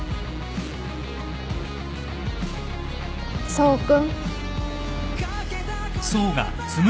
想君。